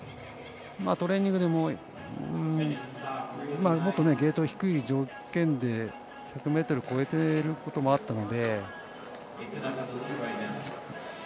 トレーニングでももっとゲート低い条件で１００ｍを越えてることもあったので。